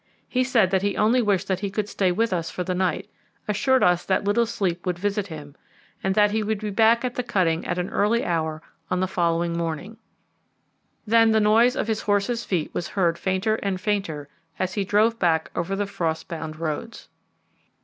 He said that he only wished that he could stay with us for the night, assured us that little sleep would visit him, and that he would be back at the cutting at an early hour on the following morning; then the noise of his horse's feet was heard fainter and fainter as he drove back over the frost bound roads.